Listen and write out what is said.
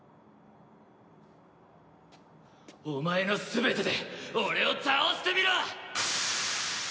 お前の全てで俺を倒してみろ！